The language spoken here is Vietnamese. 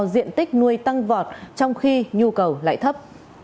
diện tích nuôi tăng vọt trong khi nhu cầu lại thấp